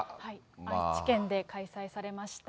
愛知県で開催されました。